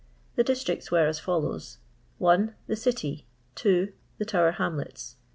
The districts were as follows : 1. The City. The Tower Ilamlets.